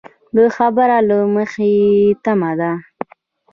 د خبر له مخې تمه ده